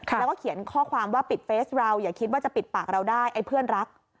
แล้วก็เขียนข้อความว่าปิดเฟสเราอย่าคิดว่าจะปิดปากเราได้ไอ้เพื่อนรัก